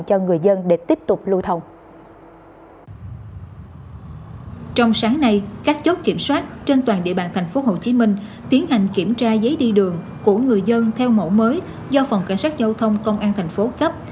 của người dân theo mẫu mới do phòng cảnh sát dâu thông công an tp cấp